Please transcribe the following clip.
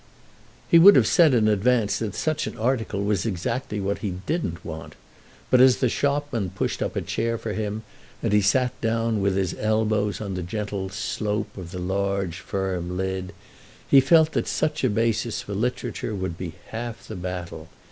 He would have said in advance that such an article was exactly what he didn't want, but as the shopman pushed up a chair for him and he sat down with his elbows on the gentle slope of the large, firm lid, he felt that such a basis for literature would be half the battle.